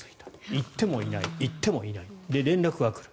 行ってもいない、行ってもいない連絡は来る。